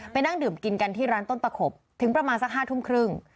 นั่งดื่มกินกันที่ร้านต้นตะขบถึงประมาณสัก๕ทุ่มครึ่ง